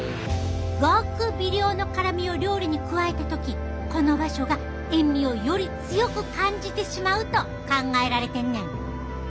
ごく微量の辛みを料理に加えた時この場所が塩味をより強く感じてしまうと考えられてんねん。